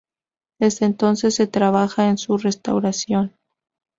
Desde entonces se trabaja en su restauración.